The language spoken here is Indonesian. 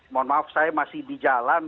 mohon maaf saya masih di jalan